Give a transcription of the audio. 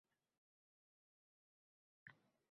uyimizda tovuq so’yilsa ham unga ataladi, ho’kkiz ham…